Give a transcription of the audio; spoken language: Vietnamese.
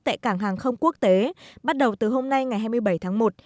tại cảng hàng không quốc tế bắt đầu từ hôm nay ngày hai mươi bảy tháng một